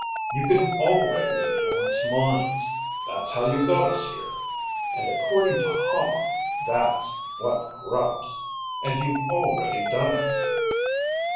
You can already influence minds. That's how you got us here. And according to Hama, that's what corrupts. And you've already done it."